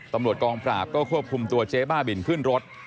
ตำรวจกองปราบก็ควบคุมตัวเจ๊บ้าบินขึ้นรถ